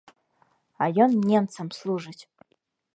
А ён немцам служыць!